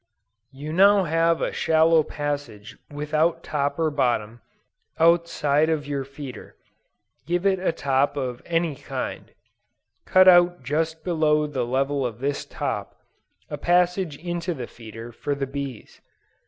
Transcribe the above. You have now a shallow passage without top or bottom, outside of your feeder; give it a top of any kind; cut out just below the level of this top, a passage into the feeder for the bees.